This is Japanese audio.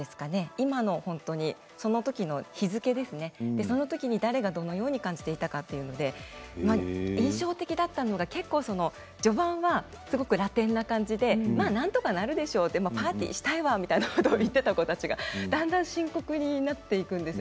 今のそのときの日付そのときに誰がどのように感じていたかというので印象的だったのが結構、序盤がすごくラテンな感じでなんとかなるでしょうとパーティーしたいわというふうに言っていた子がだんだん深刻になっているんです。